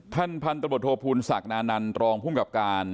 ท่านพันธบทธพูนศักดิ์นานันตรองผู้กรับการ